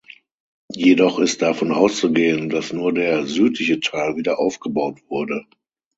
Jedoch ist davon auszugehen, dass nur der südliche Teil wiederaufgebaut wurde.